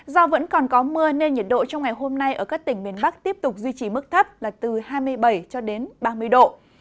do vẫn còn có mưa nên nhiệt độ trong ngày hôm nay ở các tỉnh miền bắc tiếp tục duy trì mức thấp là từ hai mươi bảy cho đến ba mươi độ